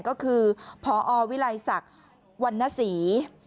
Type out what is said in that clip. ก็คือพอวิลัยศักดิ์วันนศรี